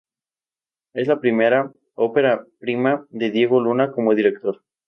Es la "ópera prima" de Diego Luna como director.